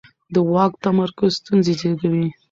د واک تمرکز ستونزې زېږوي